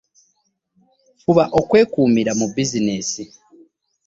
Ffuba okwekuumira mu bizinensi.